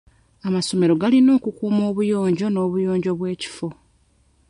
Amasomero galina okukuuma obuyonjo n'obuyonjo bw'ebifo.